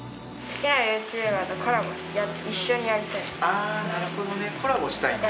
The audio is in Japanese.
あなるほどね。コラボしたいんだ。